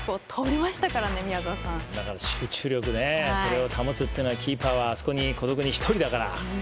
なかなか集中力ねそれを保つというのはキーパーはそこに孤独に１人だから。